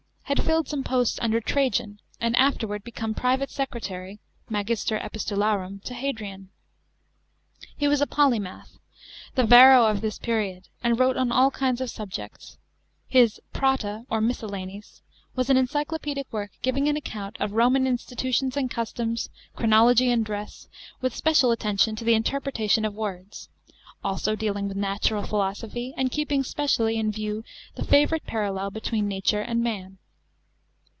had filled some posts under Trajan, and afterwards became private secreta' y (magister epistularum) to Hadrian. He was a polymath, thp Varro of this period ; and wrote on all kinds of Mibjccts His Prata or "Miscellanies" was an encyclopaedic work giving an account of Roman institutions and customs, chronology and dr« KB, with special attention to the interpretation of words; also dealin with natural philosophy, and keeping specially in view ihe lavourite parallel between nature and man.